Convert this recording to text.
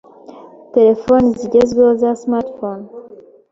telephone zigezweho za Smarthphone